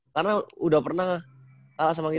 karena udah pernah kalah sama kita